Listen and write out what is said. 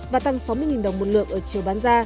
và tăng sáu mươi đồng một lượng ở chiều bán ra